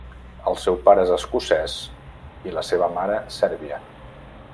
El seu pare és escocès i la seva mare sèrbia.